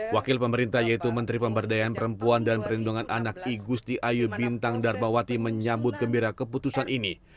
wakil pemerintah yaitu menteri pemberdayaan perempuan dan perlindungan anak igusti ayu bintang darbawati menyambut gembira keputusan ini